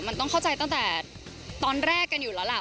มันต้องเข้าใจตั้งแต่ตอนแรกกันอยู่แล้วล่ะ